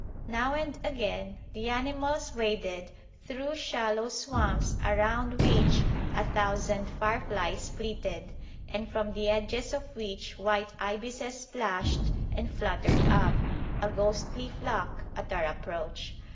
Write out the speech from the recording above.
Now and again the animals waded through shallow swamps around which a thousand fireflies flitted, and from the edges of which white ibises splashed and fluttered up, a ghostly flock, at our approach.